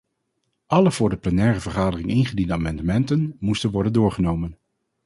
Alle voor de plenaire vergadering ingediende amendementen moesten worden doorgenomen.